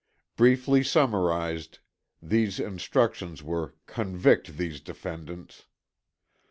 Briefly summarised, these instructions were 'Convict these defendants.'